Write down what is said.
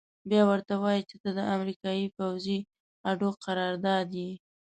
بيا ورته وايي چې ته د امريکايي پوځي اډو قراردادي يې.